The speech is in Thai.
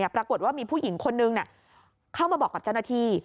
ปรากฏว่ามีผู้หญิงคนนึงเข้ามาบอกกับเจ้าหน้าที่